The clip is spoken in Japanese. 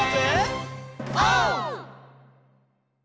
オー！